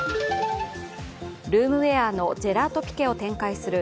ルームウェアのジェラートピケを展開する